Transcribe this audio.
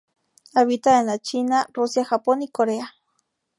Habita en la China, Rusia, Japón y Corea.